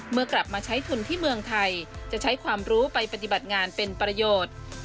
เมื่อกลับมาใช้ทุนที่เมืองไทยจะใช้ความรู้ไปปฏิบัติงานเป็นประโยชน์